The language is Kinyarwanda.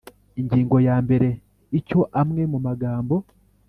Ingingo ya mbere Icyo amwe mu magambo